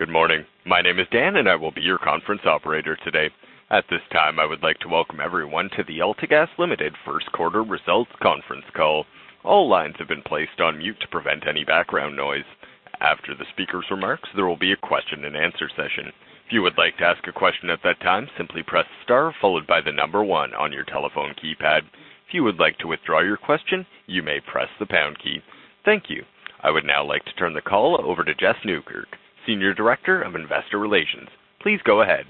Good morning. My name is Dan, I will be your conference operator today. At this time, I would like to welcome everyone to the AltaGas Ltd. first quarter results conference call. All lines have been placed on mute to prevent any background noise. After the speaker's remarks, there will be a question and answer session. If you would like to ask a question at that time, simply press star followed by the number one on your telephone keypad. If you would like to withdraw your question, you may press the pound key. Thank you. I would now like to turn the call over to Jess Nieukerk, Senior Director of Investor Relations. Please go ahead.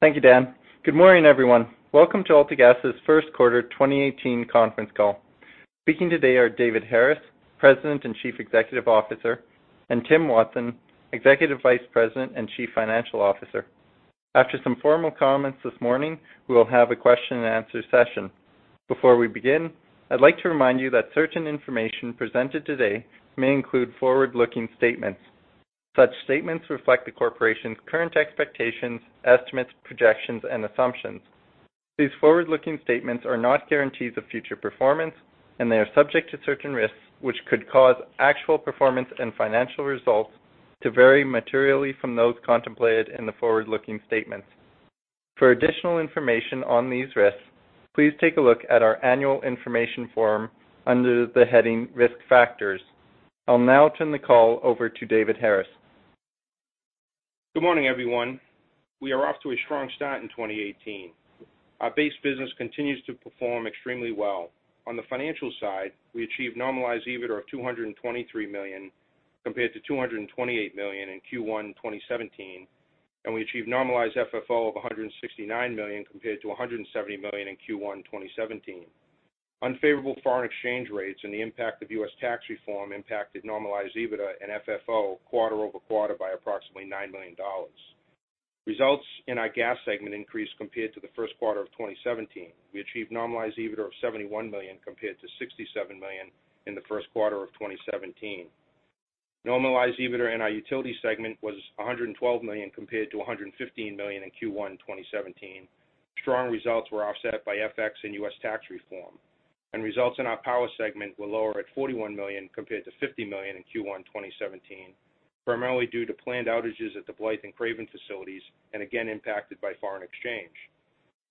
Thank you, Dan. Good morning, everyone. Welcome to AltaGas's first quarter 2018 conference call. Speaking today are David Harris, President and Chief Executive Officer, and Tim Watson, Executive Vice President and Chief Financial Officer. After some formal comments this morning, we will have a question and answer session. Before we begin, I'd like to remind you that certain information presented today may include forward-looking statements. Such statements reflect the corporation's current expectations, estimates, projections, and assumptions. These forward-looking statements are not guarantees of future performance, and they are subject to certain risks, which could cause actual performance and financial results to vary materially from those contemplated in the forward-looking statements. For additional information on these risks, please take a look at our annual information form under the heading Risk Factors. I'll now turn the call over to David Harris. Good morning, everyone. We are off to a strong start in 2018. Our base business continues to perform extremely well. On the financial side, we achieved normalized EBITDA of 223 million, compared to 228 million in Q1 2017, and we achieved normalized FFO of 169 million, compared to 170 million in Q1 2017. Unfavorable foreign exchange rates and the impact of U.S. tax reform impacted normalized EBITDA and FFO quarter-over-quarter by approximately 9 million dollars. Results in our gas segment increased compared to the first quarter of 2017. We achieved normalized EBITDA of 71 million compared to 67 million in the first quarter of 2017. Normalized EBITDA in our utility segment was 112 million compared to 115 million in Q1 2017. Strong results were offset by FX and U.S. tax reform, and results in our power segment were lower at 41 million compared to 50 million in Q1 2017, primarily due to planned outages at the Blythe and Craven facilities, and again impacted by foreign exchange.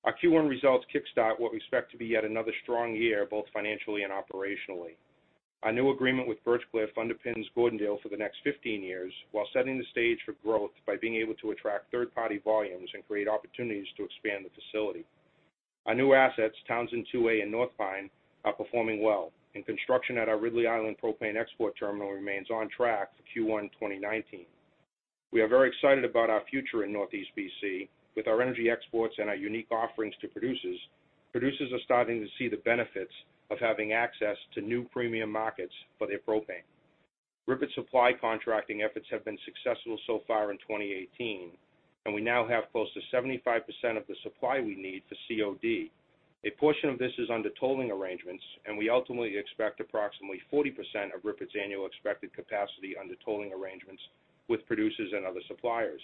Our Q1 results kickstart what we expect to be yet another strong year, both financially and operationally. Our new agreement with Birchcliff underpins Gordondale for the next 15 years while setting the stage for growth by being able to attract third-party volumes and create opportunities to expand the facility. Our new assets, Townsend 2A and North Pine, are performing well, and construction at our Ridley Island Propane Export Terminal remains on track for Q1 2019. We are very excited about our future in Northeast B.C. with our energy exports and our unique offerings to producers. Producers are starting to see the benefits of having access to new premium markets for their propane. RIPET supply contracting efforts have been successful so far in 2018, and we now have close to 75% of the supply we need for COD. A portion of this is under tolling arrangements, and we ultimately expect approximately 40% of RIPET's annual expected capacity under tolling arrangements with producers and other suppliers.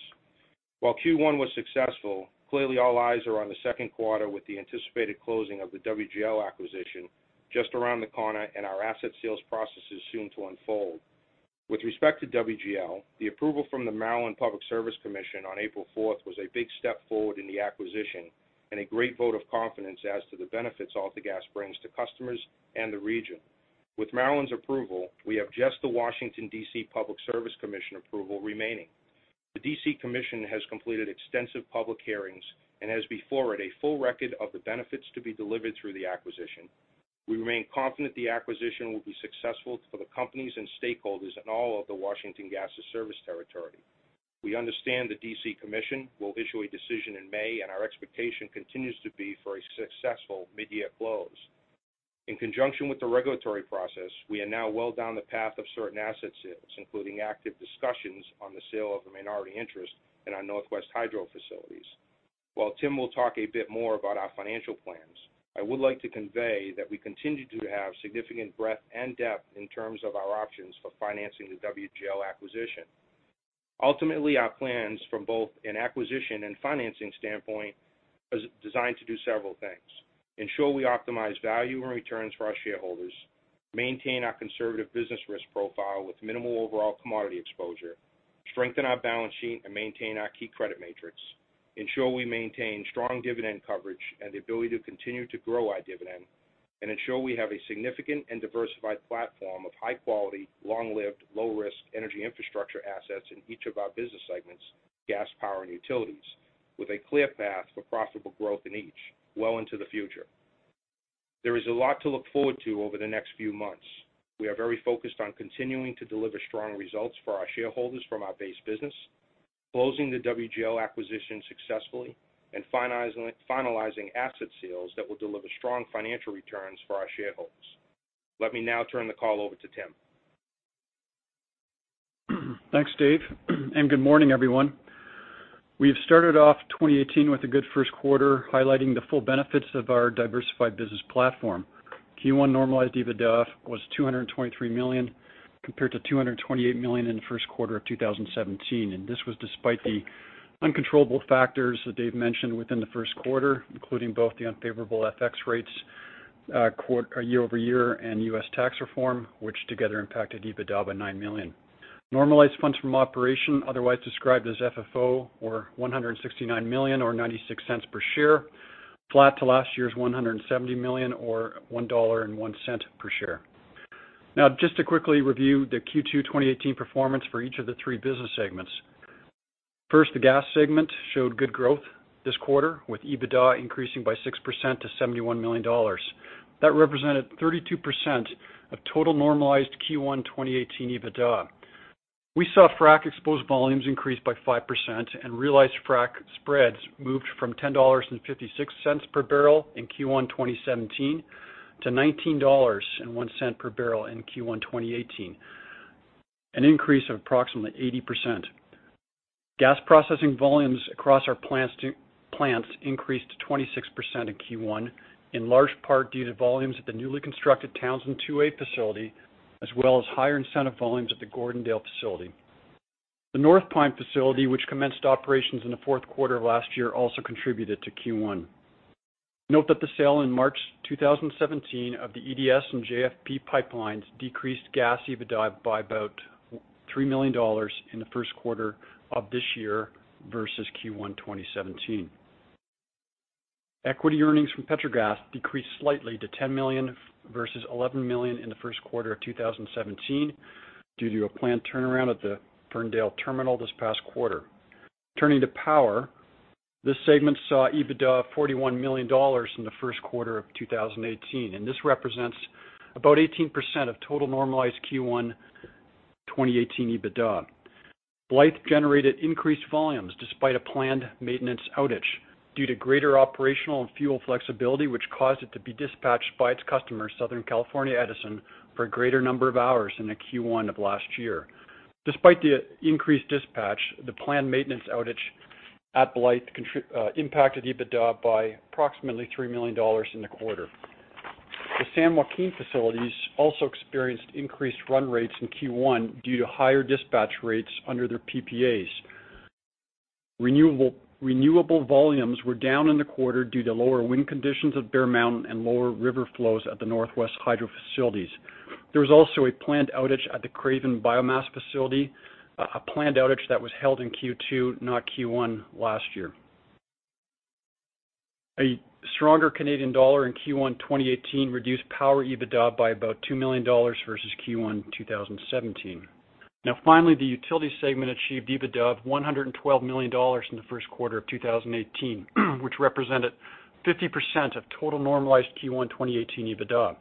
While Q1 was successful, clearly all eyes are on the second quarter with the anticipated closing of the WGL acquisition just around the corner and our asset sales processes soon to unfold. With respect to WGL, the approval from the Maryland Public Service Commission on April 4th was a big step forward in the acquisition and a great vote of confidence as to the benefits AltaGas brings to customers and the region. With Maryland's approval, we have just the Public Service Commission of the District of Columbia approval remaining. The D.C. Commission has completed extensive public hearings and has before it a full record of the benefits to be delivered through the acquisition. We remain confident the acquisition will be successful for the companies and stakeholders in all of the Washington Gas Light Company service territory. We understand the D.C. Commission will issue a decision in May, and our expectation continues to be for a successful mid-year close. In conjunction with the regulatory process, we are now well down the path of certain asset sales, including active discussions on the sale of a minority interest in our Northwest BC Hydro Electric Facilities. While Tim will talk a bit more about our financial plans, I would like to convey that we continue to have significant breadth and depth in terms of our options for financing the WGL acquisition. Ultimately, our plans from both an acquisition and financing standpoint is designed to do several things. Ensure we optimize value and returns for our shareholders, maintain our conservative business risk profile with minimal overall commodity exposure, strengthen our balance sheet, and maintain our key credit metrics, ensure we maintain strong dividend coverage and the ability to continue to grow our dividend, and ensure we have a significant and diversified platform of high-quality, long-lived, low-risk energy infrastructure assets in each of our business segments, gas, power, and utilities, with a clear path for profitable growth in each well into the future. There is a lot to look forward to over the next few months. We are very focused on continuing to deliver strong results for our shareholders from our base business, closing the WGL acquisition successfully, and finalizing asset sales that will deliver strong financial returns for our shareholders. Let me now turn the call over to Tim. Thanks, Dave, and good morning, everyone. We have started off 2018 with a good first quarter, highlighting the full benefits of our diversified business platform. Q1 normalized EBITDA was 223 million, compared to 228 million in the first quarter of 2017. This was despite the uncontrollable factors that Dave mentioned within the first quarter, including both the unfavorable FX rates year-over-year and U.S. tax reform, which together impacted EBITDA by 9 million. Normalized funds from operation, otherwise described as FFO, were 169 million or 0.96 per share, flat to last year's 170 million or 1.01 dollar per share. Just to quickly review the Q1 2018 performance for each of the three business segments. First, the gas segment showed good growth this quarter with EBITDA increasing by 6% to 71 million dollars. That represented 32% of total normalized Q1 2018 EBITDA. We saw frac exposed volumes increase by 5% and realized frac spreads moved from 10.56 dollars per barrel in Q1 2017 to 19.01 dollars per barrel in Q1 2018, an increase of approximately 80%. Gas processing volumes across our plants increased to 26% in Q1, in large part due to volumes at the newly constructed Townsend 2A facility, as well as higher incentive volumes at the Gordondale facility. The North Pine facility, which commenced operations in the fourth quarter of last year, also contributed to Q1. Note that the sale in March 2017 of the EDS and JFP pipelines decreased gas EBITDA by about 3 million dollars in the first quarter of this year versus Q1 2017. Equity earnings from Petrogas decreased slightly to 10 million versus 11 million in the first quarter of 2017 due to a planned turnaround at the Ferndale terminal this past quarter. Turning to power, this segment saw EBITDA of 41 million dollars in the first quarter of 2018. This represents about 18% of total normalized Q1 2018 EBITDA. Blythe generated increased volumes despite a planned maintenance outage due to greater operational and fuel flexibility, which caused it to be dispatched by its customer, Southern California Edison, for a greater number of hours in the Q1 of last year. Despite the increased dispatch, the planned maintenance outage at Blythe impacted EBITDA by approximately 3 million dollars in the quarter. The San Joaquin facilities also experienced increased run rates in Q1 due to higher dispatch rates under their PPAs. Renewable volumes were down in the quarter due to lower wind conditions at Bear Mountain and lower river flows at the Northwest hydro facilities. There was also a planned outage at the Craven biomass facility, a planned outage that was held in Q2, not Q1 last year. A stronger Canadian dollar in Q1 2018 reduced power EBITDA by about 2 million dollars versus Q1 2017. Finally, the utility segment achieved EBITDA of 112 million dollars in the first quarter of 2018, which represented 50% of total normalized Q1 2018 EBITDA.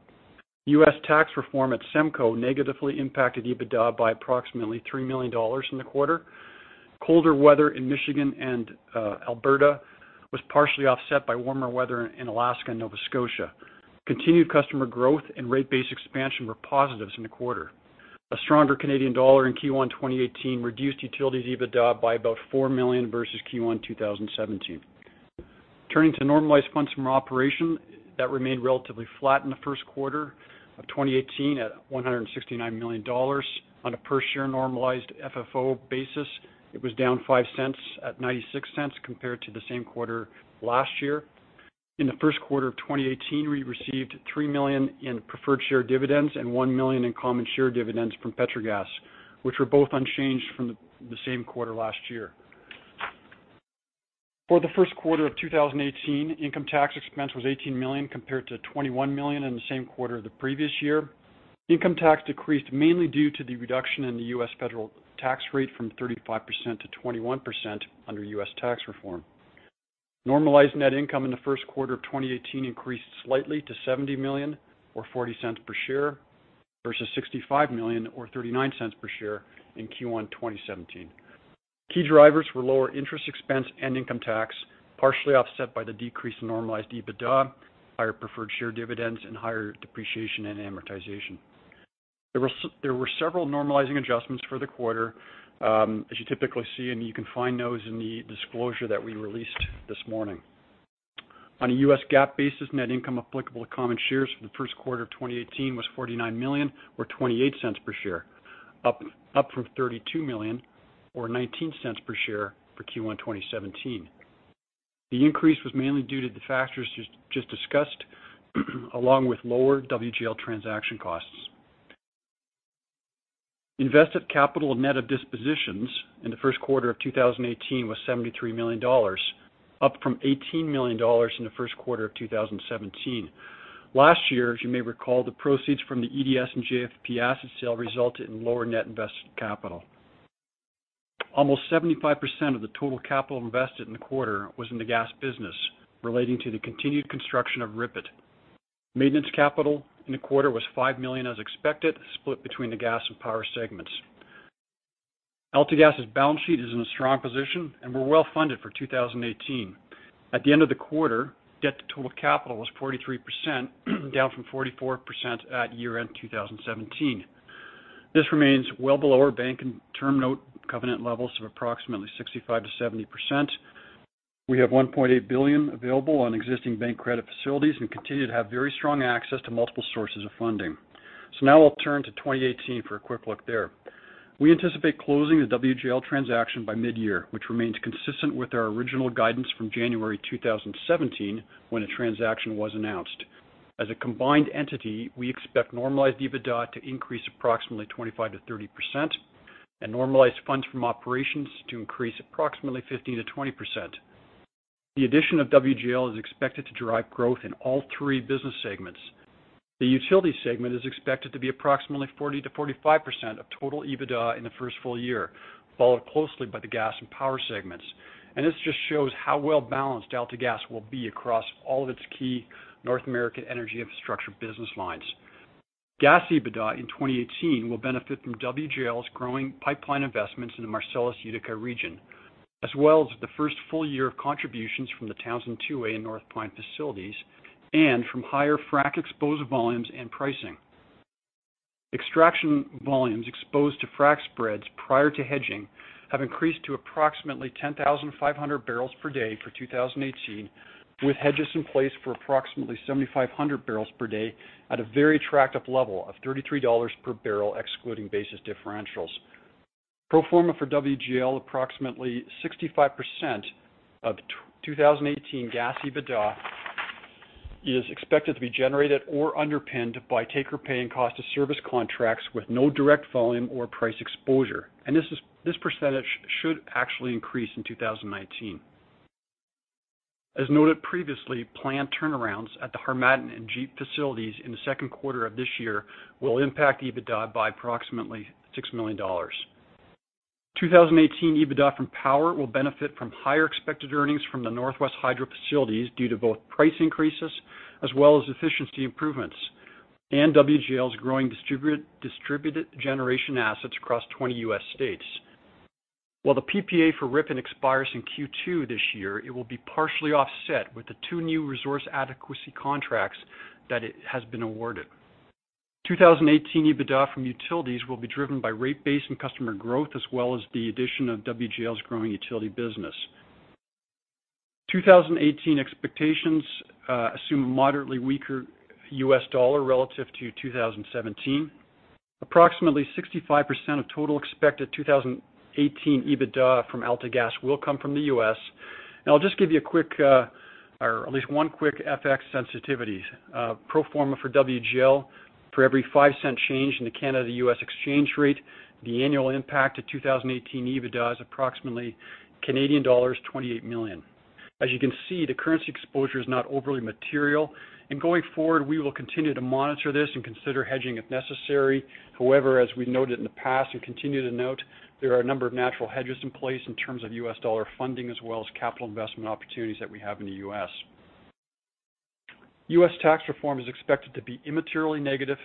U.S. tax reform at SEMCO negatively impacted EBITDA by approximately 3 million dollars in the quarter. Colder weather in Michigan and Alberta was partially offset by warmer weather in Alaska and Nova Scotia. Continued customer growth and rate base expansion were positives in the quarter. A stronger Canadian dollar in Q1 2018 reduced utilities EBITDA by about 4 million versus Q1 2017. Turning to normalized funds from operation, that remained relatively flat in the first quarter of 2018 at 169 million dollars. On a per-share normalized FFO basis, it was down 0.05 at 0.96 compared to the same quarter last year. In the first quarter of 2018, we received 3 million in preferred share dividends and 1 million in common share dividends from Petrogas, which were both unchanged from the same quarter last year. For the first quarter of 2018, income tax expense was 18 million compared to 21 million in the same quarter of the previous year. Income tax decreased mainly due to the reduction in the U.S. federal tax rate from 35% to 21% under U.S. tax reform. Normalized net income in the first quarter of 2018 increased slightly to 70 million or 0.40 per share versus 65 million or 0.39 per share in Q1 2017. Key drivers were lower interest expense and income tax, partially offset by the decrease in normalized EBITDA, higher preferred share dividends, and higher depreciation and amortization. There were several normalizing adjustments for the quarter, as you typically see, and you can find those in the disclosure that we released this morning. On a U.S. GAAP basis, net income applicable to common shares for the first quarter of 2018 was 49 million or 0.28 per share, up from 32 million or 0.19 per share for Q1 2017. The increase was mainly due to the factors just discussed, along with lower WGL transaction costs. Invested capital net of dispositions in the first quarter of 2018 was 73 million dollars, up from 18 million dollars in the first quarter of 2017. Last year, as you may recall, the proceeds from the EDS and JFP asset sale resulted in lower net invested capital. Almost 75% of the total capital invested in the quarter was in the gas business, relating to the continued construction of RIPET. Maintenance capital in the quarter was 5 million as expected, split between the gas and power segments. AltaGas's balance sheet is in a strong position, and we are well-funded for 2018. At the end of the quarter, debt to total capital was 43%, down from 44% at year-end 2017. This remains well below our bank and term note covenant levels of approximately 65%-70%. We have 1.8 billion available on existing bank credit facilities and continue to have very strong access to multiple sources of funding. Now I will turn to 2018 for a quick look there. We anticipate closing the WGL transaction by mid-year, which remains consistent with our original guidance from January 2017, when the transaction was announced. As a combined entity, we expect normalized EBITDA to increase approximately 25%-30%, and normalized funds from operations to increase approximately 15%-20%. The addition of WGL is expected to drive growth in all three business segments. The utility segment is expected to be approximately 40%-45% of total EBITDA in the first full year, followed closely by the gas and power segments. This just shows how well-balanced AltaGas will be across all of its key North American energy infrastructure business lines. Gas EBITDA in 2018 will benefit from WGL's growing pipeline investments in the Marcellus and Utica region, as well as the first full year of contributions from the Townsend 2A and North Pine facilities, and from higher frac-exposed volumes and pricing. Extraction volumes exposed to frac spreads prior to hedging have increased to approximately 10,500 barrels per day for 2018, with hedges in place for approximately 7,500 barrels per day at a very attractive level of 33 dollars per barrel, excluding basis differentials. Pro forma for WGL, approximately 65% of 2018 gas EBITDA is expected to be generated or underpinned by take-or-pay and cost-of-service contracts with no direct volume or price exposure. This percentage should actually increase in 2019. As noted previously, planned turnarounds at the Harmattan and JFP facilities in the second quarter of this year will impact EBITDA by approximately 6 million dollars. 2018 EBITDA from power will benefit from higher expected earnings from the Northwest Hydro facilities due to both price increases as well as efficiency improvements, and WGL's growing distributed generation assets across 20 U.S. states. While the PPA for Ripon expires in Q2 this year, it will be partially offset with the two new resource adequacy contracts that it has been awarded. 2018 EBITDA from utilities will be driven by rate base and customer growth, as well as the addition of WGL's growing utility business. 2018 expectations assume a moderately weaker U.S. dollar relative to 2017. Approximately 65% of total expected 2018 EBITDA from AltaGas will come from the U.S. I'll just give you at least one quick FX sensitivities. Pro forma for WGL, for every 0.05 change in the Canada-U.S. exchange rate, the annual impact to 2018 EBITDA is approximately Canadian dollars 28 million. As you can see, the currency exposure is not overly material. Going forward, we will continue to monitor this and consider hedging if necessary. However, as we noted in the past and continue to note, there are a number of natural hedges in place in terms of U.S. dollar funding, as well as capital investment opportunities that we have in the U.S. U.S. tax reform is expected to be immaterially negative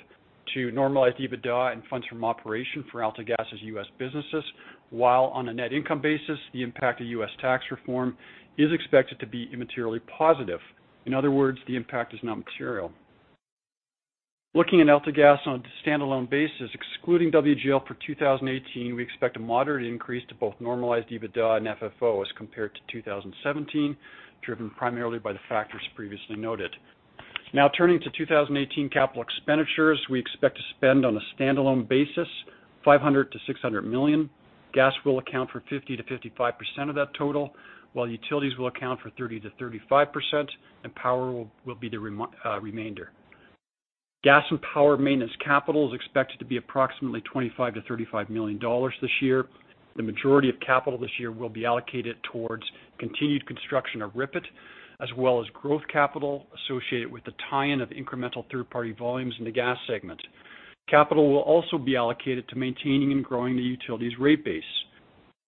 to normalized EBITDA and funds from operation for AltaGas' U.S. businesses, while on a net income basis, the impact of U.S. tax reform is expected to be immaterially positive. In other words, the impact is not material. Looking at AltaGas on a standalone basis, excluding WGL for 2018, we expect a moderate increase to both normalized EBITDA and FFO as compared to 2017, driven primarily by the factors previously noted. Now turning to 2018 capital expenditures, we expect to spend on a standalone basis, 500 million-600 million. Gas will account for 50%-55% of that total, while utilities will account for 30%-35%, and power will be the remainder. Gas and power maintenance capital is expected to be approximately 25 million-35 million dollars this year. The majority of capital this year will be allocated towards continued construction of RIPET, as well as growth capital associated with the tie-in of incremental third-party volumes in the gas segment. Capital will also be allocated to maintaining and growing the utility's rate base,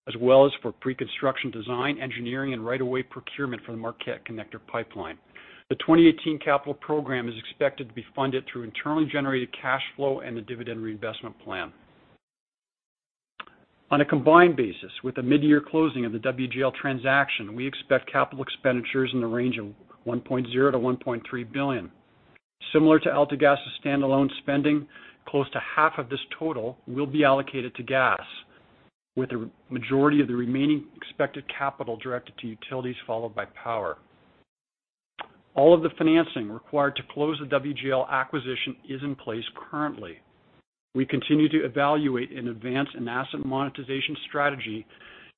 as well as for pre-construction design, engineering, and right of way procurement for the Marquette Connector pipeline. The 2018 capital program is expected to be funded through internally-generated cash flow and the Dividend Reinvestment Plan. On a combined basis, with the mid-year closing of the WGL transaction, we expect capital expenditures in the range of 1.0 billion-1.3 billion. Similar to AltaGas' standalone spending, close to half of this total will be allocated to gas, with the majority of the remaining expected capital directed to utilities, followed by power. All of the financing required to close the WGL acquisition is in place currently. We continue to evaluate and advance an asset monetization strategy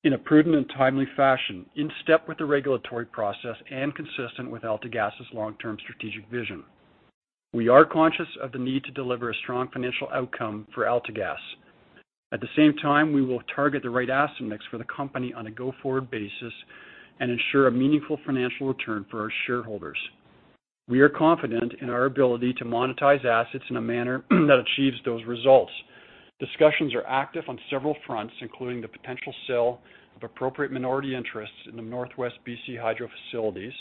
in a prudent and timely fashion, in step with the regulatory process and consistent with AltaGas' long-term strategic vision. We are conscious of the need to deliver a strong financial outcome for AltaGas. At the same time, we will target the right asset mix for the company on a go-forward basis and ensure a meaningful financial return for our shareholders. We are confident in our ability to monetize assets in a manner that achieves those results. Discussions are active on several fronts, including the potential sale of appropriate minority interests in the Northwest B.C. Hydro facilities.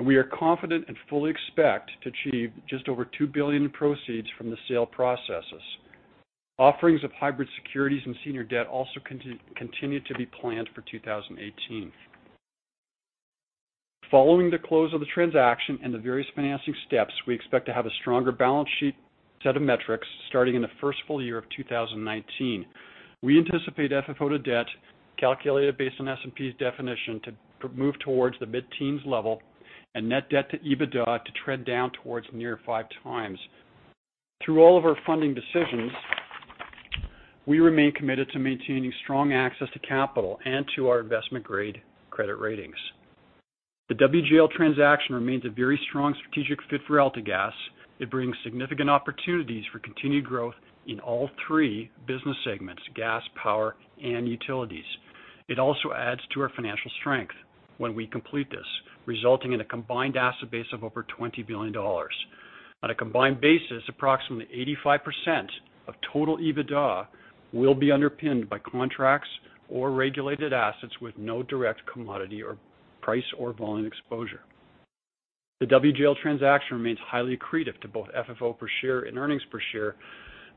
We are confident and fully expect to achieve just over 2 billion in proceeds from the sale processes. Offerings of hybrid securities and senior debt also continue to be planned for 2018. Following the close of the transaction and the various financing steps, we expect to have a stronger balance sheet set of metrics starting in the first full year of 2019. We anticipate FFO to debt, calculated based on S&P's definition, to move towards the mid-teens level and net debt to EBITDA to trend down towards near 5x. Through all of our funding decisions, we remain committed to maintaining strong access to capital and to our investment-grade credit ratings. The WGL transaction remains a very strong strategic fit for AltaGas. It brings significant opportunities for continued growth in all three business segments, gas, power, and utilities. It also adds to our financial strength when we complete this, resulting in a combined asset base of over 20 billion dollars. On a combined basis, approximately 85% of total EBITDA will be underpinned by contracts or regulated assets with no direct commodity or price or volume exposure. The WGL transaction remains highly accretive to both FFO per share and earnings per share,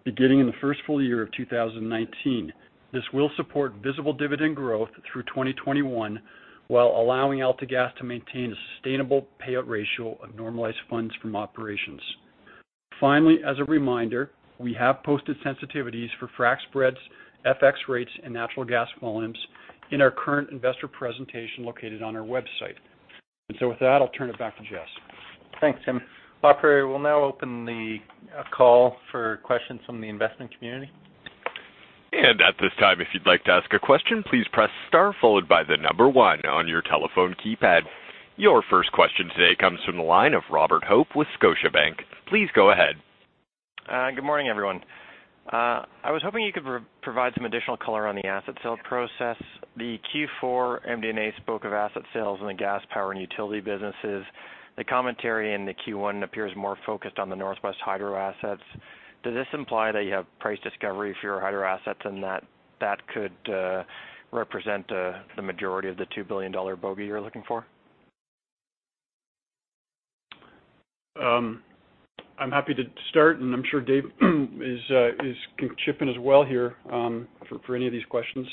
beginning in the first full year of 2019. This will support visible dividend growth through 2021, while allowing AltaGas to maintain a sustainable payout ratio of normalized funds from operations. Finally, as a reminder, we have posted sensitivities for frac spreads, FX rates, and natural gas volumes in our current investor presentation located on our website. With that, I'll turn it back to Jess. Thanks, Tim. Operator, we'll now open the call for questions from the investment community. At this time, if you'd like to ask a question, please press star followed by the number 1 on your telephone keypad. Your first question today comes from the line of Robert Hope with Scotiabank. Please go ahead. Good morning, everyone. I was hoping you could provide some additional color on the asset sale process. The Q4 MD&A spoke of asset sales in the gas, power, and utility businesses. The commentary in the Q1 appears more focused on the Northwest Hydro assets. Does this imply that you have price discovery for your hydro assets and that that could represent the majority of the 2 billion dollar bogey you're looking for? I'm happy to start. I'm sure Dave can chip in as well here, for any of these questions.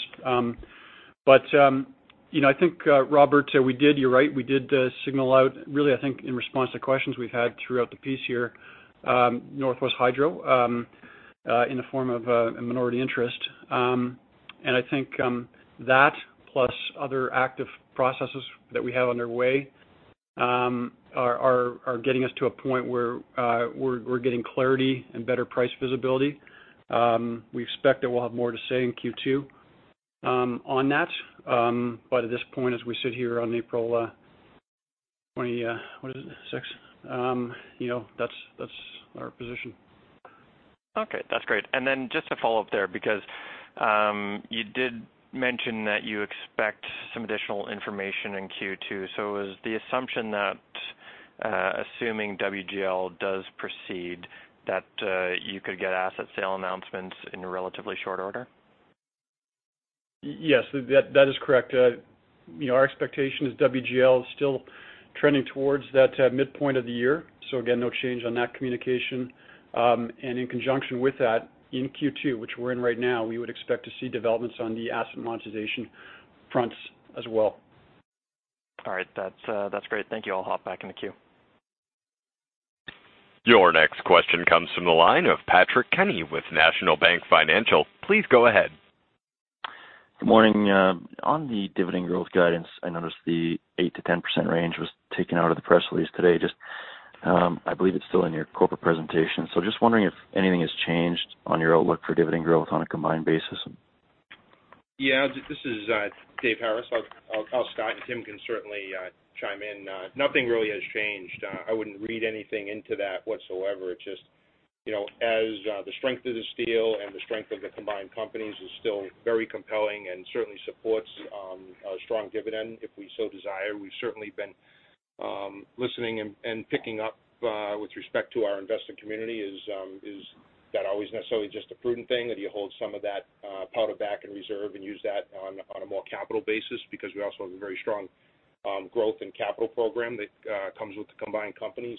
I think, Robert, you're right, we did signal out, really, I think in response to questions we've had throughout the piece here, Northwest Hydro in the form of a minority interest. I think that plus other active processes that we have underway are getting us to a point where we're getting clarity and better price visibility. We expect that we'll have more to say in Q2 on that. At this point, as we sit here on April 26, that's our position. Okay, that's great. Then just to follow up there, because you did mention that you expect some additional information in Q2. Is the assumption that assuming WGL does proceed, that you could get asset sale announcements in a relatively short order? Yes, that is correct. Our expectation is WGL is still trending towards that midpoint of the year. Again, no change on that communication. In conjunction with that, in Q2, which we're in right now, we would expect to see developments on the asset monetization fronts as well. All right. That's great. Thank you. I'll hop back in the queue. Your next question comes from the line of Patrick Kenny with National Bank Financial. Please go ahead. Good morning. On the dividend growth guidance, I noticed the 8%-10% range was taken out of the press release today. I believe it's still in your corporate presentation, just wondering if anything has changed on your outlook for dividend growth on a combined basis. Yeah, this is David Harris. I'll start, and Tim can certainly chime in. Nothing really has changed. I wouldn't read anything into that whatsoever. It's just as the strength of this deal and the strength of the combined companies is still very compelling and certainly supports a strong dividend if we so desire. We've certainly been listening and picking up with respect to our investing community, is that always necessarily just a prudent thing, that you hold some of that powder back in reserve and use that on a more capital basis, because we also have a very strong growth and capital program that comes with the combined companies.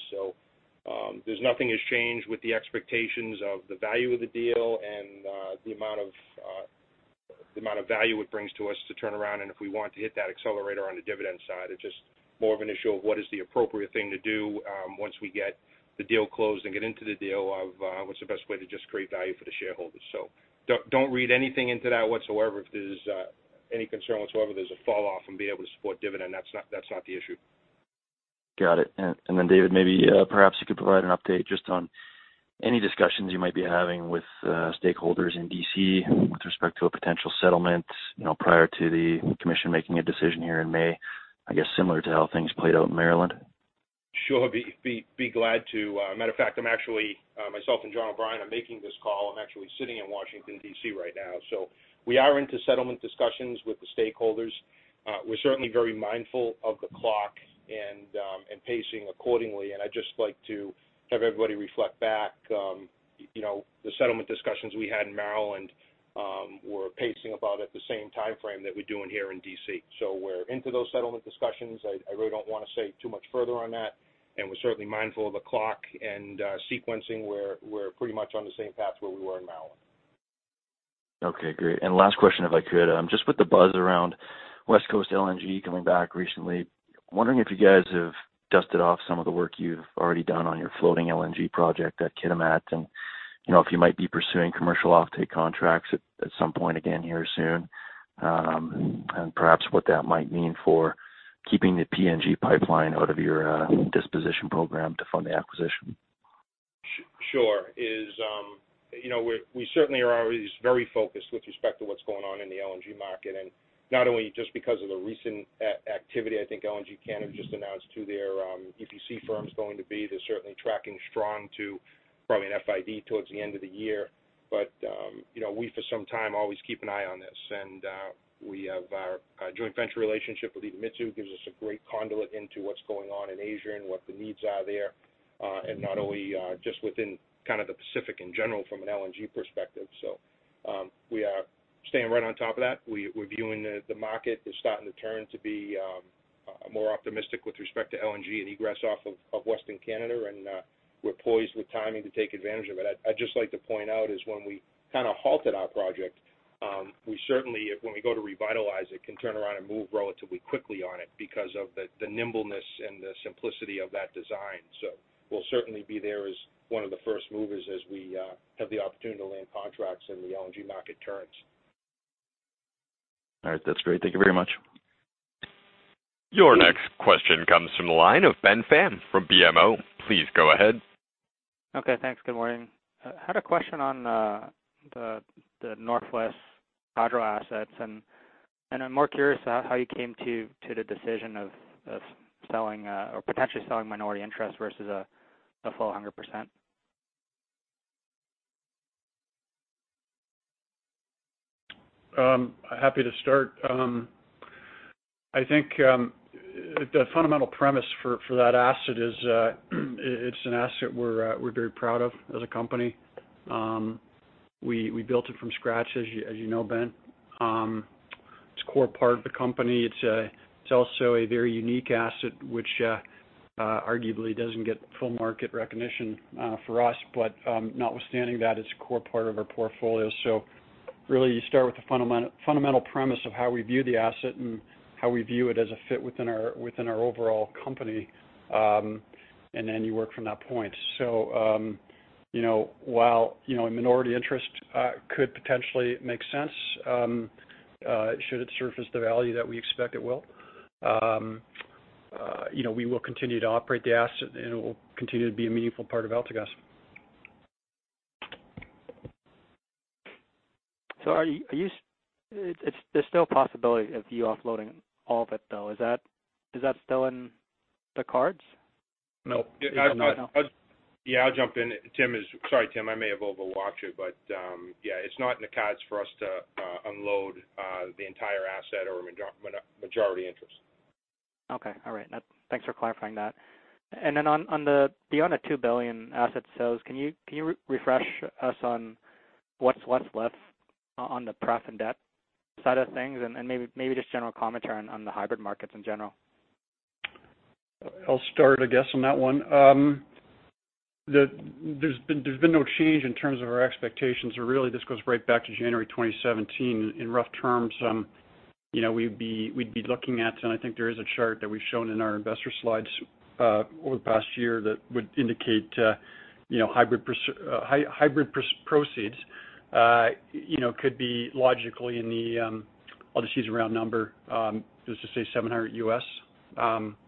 Nothing has changed with the expectations of the value of the deal and the amount of value it brings to us to turn around and if we want to hit that accelerator on the dividend side. It's just more of an issue of what is the appropriate thing to do once we get the deal closed and get into the deal of what's the best way to just create value for the shareholders. Don't read anything into that whatsoever. If there's any concern whatsoever there's a fall off and be able to support dividend, that's not the issue. Got it. Then David, maybe perhaps you could provide an update just on any discussions you might be having with stakeholders in D.C. with respect to a potential settlement, prior to the commission making a decision here in May, I guess similar to how things played out in Maryland. Sure. Be glad to. Matter of fact, myself and John O'Brien are making this call. I'm actually sitting in Washington, D.C., right now. We are into settlement discussions with the stakeholders. We're certainly very mindful of the clock and pacing accordingly. I'd just like to have everybody reflect back. The settlement discussions we had in Maryland were pacing about at the same timeframe that we're doing here in D.C. We're into those settlement discussions. I really don't want to say too much further on that, we're certainly mindful of the clock and sequencing. We're pretty much on the same path where we were in Maryland. Okay, great. Last question, if I could, just with the buzz around West Coast LNG coming back recently. Wondering if you guys have dusted off some of the work you've already done on your floating LNG project at Kitimat and if you might be pursuing commercial offtake contracts at some point again here soon. Perhaps what that might mean for keeping the PNG pipeline out of your disposition program to fund the acquisition. Sure. We certainly are always very focused with respect to what's going on in the LNG market, not only just because of the recent activity. I think LNG Canada just announced who their EPC firm's going to be. They're certainly tracking strong to probably an FID towards the end of the year. We, for some time, always keep an eye on this. We have our joint venture relationship with Itochu, gives us a great conduit into what's going on in Asia and what the needs are there, not only just within kind of the Pacific in general from an LNG perspective. We are staying right on top of that. We're viewing the market as starting to turn to be more optimistic with respect to LNG and egress off of western Canada, and we're poised with timing to take advantage of it. I'd just like to point out is when we kind of halted our project, we certainly, when we go to revitalize it, can turn around and move relatively quickly on it because of the nimbleness and the simplicity of that design. We'll certainly be there as one of the first movers as we have the opportunity to land contracts and the LNG market turns. All right. That's great. Thank you very much. Your next question comes from the line of Ben Pham from BMO. Please go ahead. Okay, thanks. Good morning. I had a question on the Northwest Hydro assets, and I'm more curious how you came to the decision of potentially selling minority interest versus the full 100%. Happy to start. I think the fundamental premise for that asset is, it's an asset we're very proud of as a company. We built it from scratch, as you know, Ben. It's a core part of the company. It's also a very unique asset, which arguably doesn't get full market recognition for us. Notwithstanding that, it's a core part of our portfolio. Really, you start with the fundamental premise of how we view the asset and how we view it as a fit within our overall company. Then you work from that point. While a minority interest could potentially make sense should it surface the value that we expect it will, we will continue to operate the asset, and it will continue to be a meaningful part of AltaGas. There's still a possibility of you offloading all of it, though. Is that still on the cards? No. I'll jump in. Sorry, Tim, I may have overwatched you, yeah, it's not in the cards for us to unload the entire asset or majority interest. Okay. All right. Thanks for clarifying that. Beyond the 2 billion asset sales, can you refresh us on what's left on the pref and debt side of things? Maybe just general commentary on the hybrid markets in general. I'll start, I guess, on that one. There's been no change in terms of our expectations. This goes right back to January 2017. In rough terms, we'd be looking at, I think there is a chart that we've shown in our investor slides over the past year that would indicate hybrid proceeds could be logically in the, I'll just use a round number, just to say $700.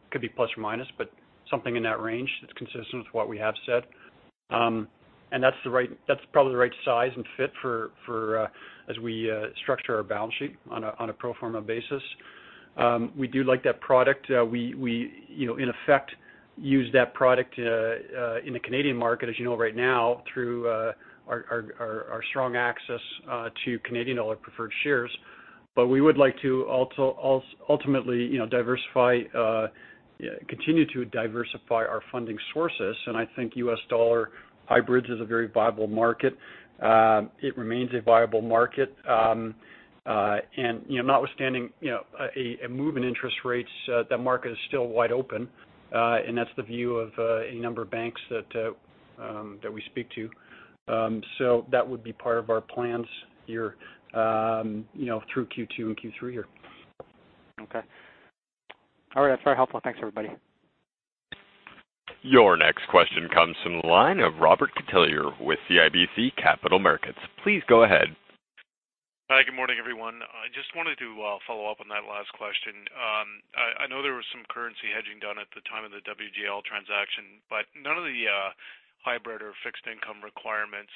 Could be plus or minus, something in that range that's consistent with what we have said. That's probably the right size and fit as we structure our balance sheet on a pro forma basis. We do like that product. We, in effect, use that product in the Canadian market, as you know, right now through our strong access to Canadian dollar preferred shares. We would like to ultimately continue to diversify our funding sources, and I think U.S. dollar hybrids is a very viable market. It remains a viable market. Notwithstanding a move in interest rates, that market is still wide open. That's the view of any number of banks that we speak to. That would be part of our plans through Q2 and Q3 here. Okay. All right. That's very helpful. Thanks, everybody. Your next question comes from the line of Robert Catellier with CIBC Capital Markets. Please go ahead. Hi, good morning, everyone. I just wanted to follow up on that last question. I know there was some currency hedging done at the time of the WGL transaction, none of the hybrid or fixed income requirements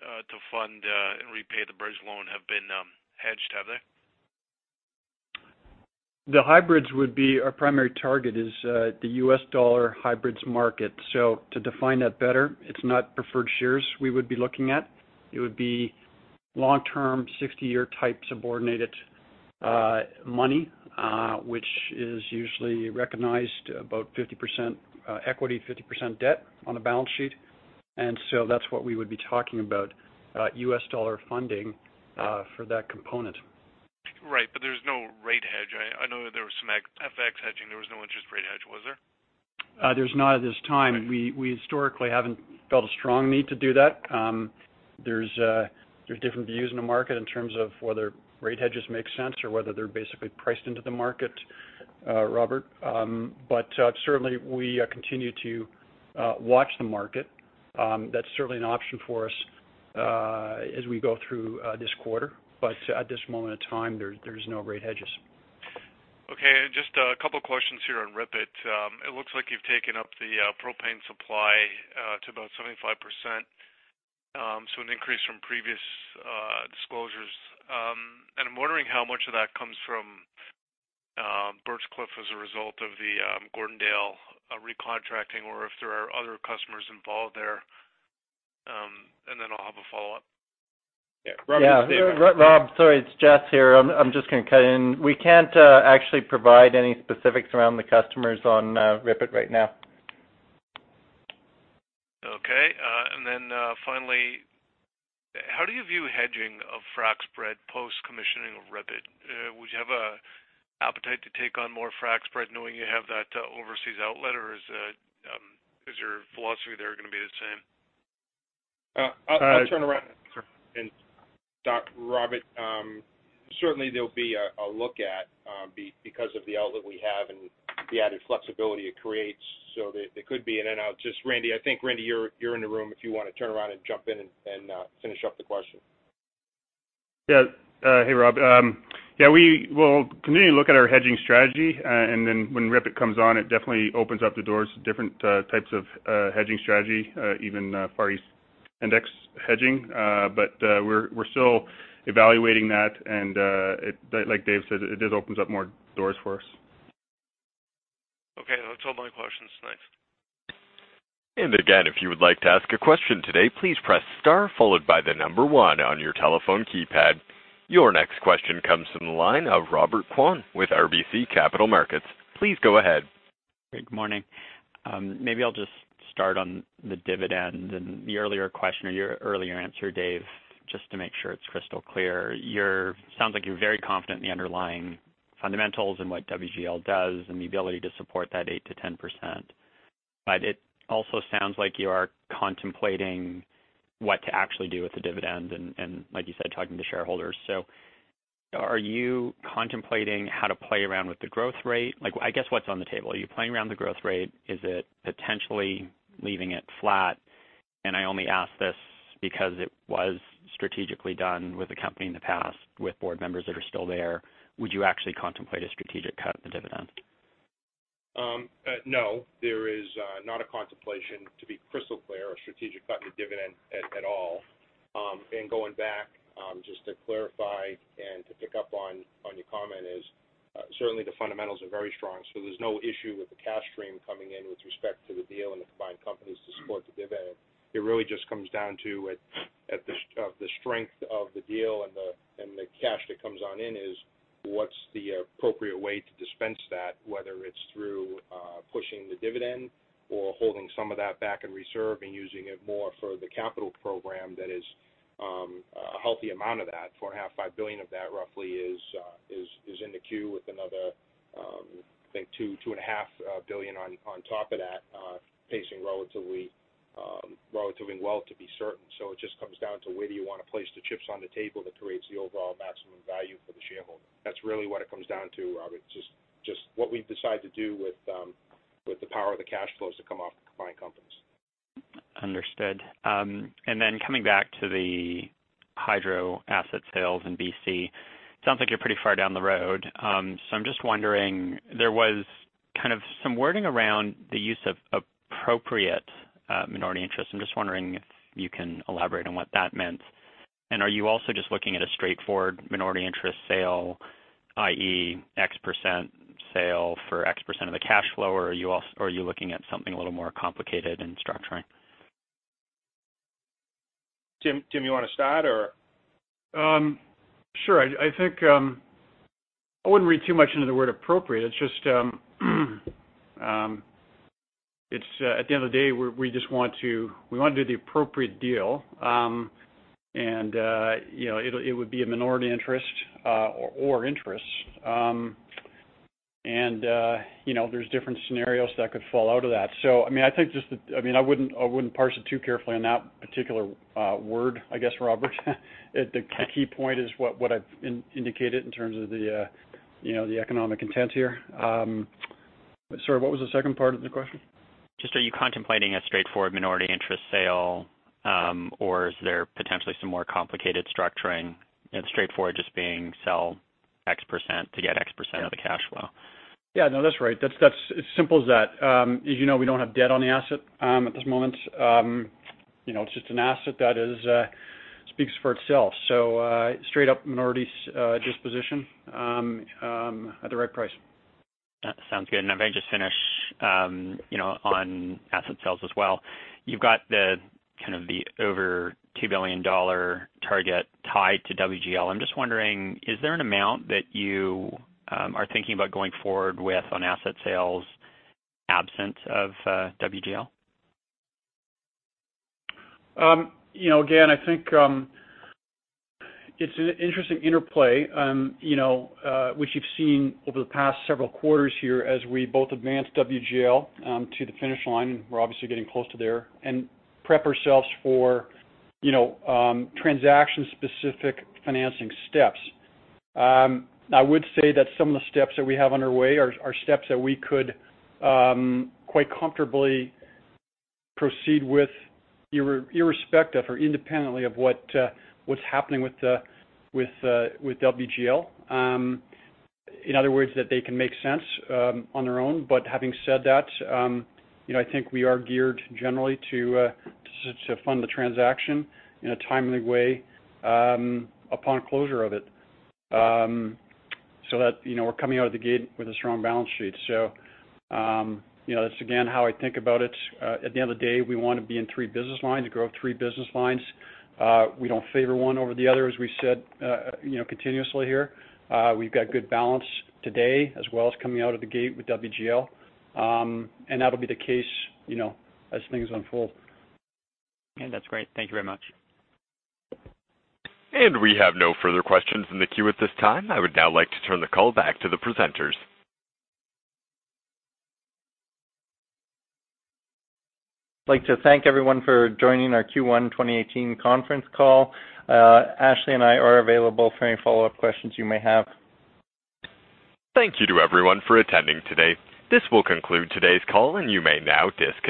to fund and repay the bridge loan have been hedged, have they? The hybrids would be our primary target is the U.S. dollar hybrids market. To define that better, it's not preferred shares we would be looking at. It would be long-term, 60-year type subordinated money, which is usually recognized about 50% equity, 50% debt on a balance sheet. That's what we would be talking about, U.S. dollar funding for that component. Right. There's no rate hedge. I know there was some FX hedging. There was no interest rate hedge, was there? There's none at this time. We historically haven't felt a strong need to do that. There's different views in the market in terms of whether rate hedges make sense or whether they're basically priced into the market, Robert. Certainly, we continue to watch the market. That's certainly an option for us as we go through this quarter. At this moment in time, there's no rate hedges. Okay. Just a couple of questions here on RIPET. It looks like you've taken up the propane supply to about 75%, so an increase from previous disclosures. I'm wondering how much of that comes from Birchcliff as a result of the Gordondale recontracting, or if there are other customers involved there. Then I'll have a follow-up. Yeah. Rob. Yeah. Rob, sorry, it's Jess here. I'm just going to cut in. We can't actually provide any specifics around the customers on RIPET right now. Okay. Finally, how do you view hedging of frac spread post-commissioning of RIPET? Would you have an appetite to take on more frac spread knowing you have that overseas outlet, or is your philosophy there going to be the same? I'll turn around. Sure. Robert, certainly there'll be a look at because of the outlet we have and the added flexibility it creates, so there could be. I'll just Randy, I think Randy, you're in the room if you want to turn around and jump in and finish up the question. Hey, Rob. We will continue to look at our hedging strategy. When RIPET comes on, it definitely opens up the doors to different types of hedging strategy, even Far East index hedging. We're still evaluating that and, like Dave said, it just opens up more doors for us. That's all my questions. Thanks. Again, if you would like to ask a question today, please press star followed by the number 1 on your telephone keypad. Your next question comes from the line of Robert Kwan with RBC Capital Markets. Please go ahead. Good morning. I'll just start on the dividend and the earlier question or your earlier answer, Dave, just to make sure it is crystal clear. Sounds like you are very confident in the underlying fundamentals and what WGL does and the ability to support that 8%-10%. It also sounds like you are contemplating what to actually do with the dividend and, like you said, talking to shareholders. Are you contemplating how to play around with the growth rate? I guess what is on the table? Are you playing around the growth rate? Is it potentially leaving it flat? I only ask this because it was strategically done with the company in the past with board members that are still there. Would you actually contemplate a strategic cut of the dividend? No, there is not a contemplation, to be crystal clear, a strategic cut in the dividend at all. Going back, just to clarify and to pick up on your comment is, certainly the fundamentals are very strong. There is no issue with the cash stream coming in with respect to the deal and the combined companies to support the dividend. It really just comes down to at the strength of the deal and the cash that comes on in is what is the appropriate way to dispense that, whether it is through pushing the dividend or holding some of that back in reserve and using it more for the capital program, that is a healthy amount of that. 4.5 billion-5 billion of that roughly is in the queue with another, I think, 2.5 billion on top of that, pacing relatively well to be certain. It just comes down to where do you want to place the chips on the table that creates the overall maximum value for the shareholder. That is really what it comes down to, Robert, just what we decide to do with the power of the cash flows that come off the combined companies. Understood. Coming back to the hydro asset sales in B.C., sounds like you are pretty far down the road. I am just wondering, there was kind of some wording around the use of appropriate minority interest. I am just wondering if you can elaborate on what that meant. Are you also just looking at a straightforward minority interest sale, i.e., X% sale for X% of the cash flow? Or are you looking at something a little more complicated in structuring? Tim, you want to start or? Sure. I think I wouldn't read too much into the word appropriate. It's just at the end of the day, we want to do the appropriate deal. It would be a minority interest or interests. There's different scenarios that could fall out of that. I wouldn't parse it too carefully on that particular word, I guess, Robert. The key point is what I've indicated in terms of the economic intent here. Sorry, what was the second part of the question? Just are you contemplating a straightforward minority interest sale, or is there potentially some more complicated structuring? Straightforward just being sell X% to get X% of the cash flow. Yeah, no, that's right. It's simple as that. As you know, we don't have debt on the asset at this moment. It's just an asset that speaks for itself. Straight up minority disposition at the right price. That sounds good. If I can just finish on asset sales as well. You've got the over 2 billion dollar target tied to WGL. I'm just wondering, is there an amount that you are thinking about going forward with on asset sales absent of WGL? I think it's an interesting interplay which you've seen over the past several quarters here as we both advanced WGL to the finish line, and we're obviously getting close to there, and prep ourselves for transaction-specific financing steps. I would say that some of the steps that we have underway are steps that we could quite comfortably proceed with irrespective or independently of what's happening with WGL. In other words, that they can make sense on their own. Having said that, I think we are geared generally to fund the transaction in a timely way upon closure of it, so that we're coming out of the gate with a strong balance sheet. That's again how I think about it. At the end of the day, we want to be in three business lines and grow three business lines. We don't favor one over the other, as we said continuously here. We've got good balance today as well as coming out of the gate with WGL. That'll be the case as things unfold. Okay. That's great. Thank you very much. We have no further questions in the queue at this time. I would now like to turn the call back to the presenters. We would like to thank everyone for joining our Q1 2018 conference call. Ashley and I are available for any follow-up questions you may have. Thank you to everyone for attending today. This will conclude today's call, and you may now disconnect